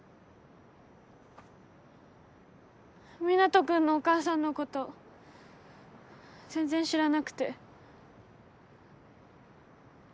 湊人君のお母さんのこと全然知らなくて。